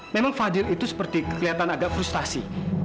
memang fadir itu seperti kelihatan agak frustasi